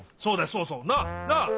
そうそう。なあ？なあ？